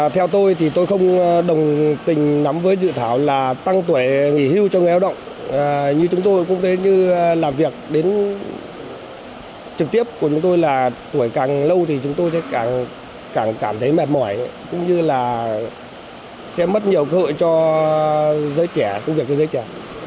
theo tôi thì tôi không đồng tình nắm với dự thảo là tăng tuổi nghỉ hưu cho người lao động như chúng tôi cũng thế như làm việc đến trực tiếp của chúng tôi là tuổi càng lâu thì chúng tôi sẽ càng cảm thấy mệt mỏi cũng như là sẽ mất nhiều cơ hội cho giới trẻ công việc cho giới trẻ